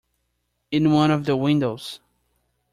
In one of the windows.